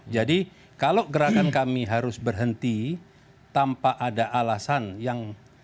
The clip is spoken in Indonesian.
jadi kalau gerakan kami harus berhenti tanpa ada alasan yang